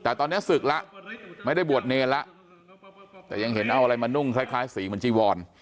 แต่ตอนเนี้ยศึกละไม่ได้บวชเนียนละแต่ยังเห็นเอาอะไรมานุ่งคล้ายคล้ายสีเหมือนจีวอน